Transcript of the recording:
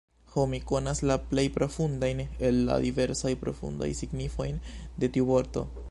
Ho, mi konas la plej profundajn el la diversaj profundaj signifojn de tiu vorto!